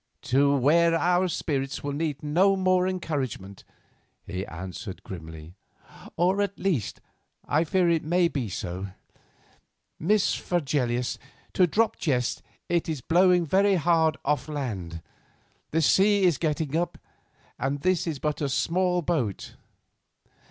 "To where our spirits will need no more encouragement," he answered grimly; "or, at least, I fear it may be so. Miss Fregelius, to drop jests, it is blowing very hard off land; the sea is getting up, and this is but a small boat.